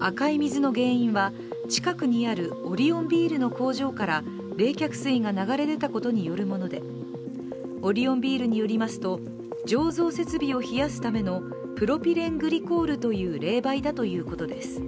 赤い水の原因は近くにあるオリオンビールの工場から冷却水が流れ出たものによるものでオリオンビールによりますと醸造設備を冷やすためのプロピレングリコールという冷媒だということです。